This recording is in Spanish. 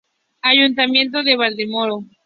Ayuntamiento de Valdemoro.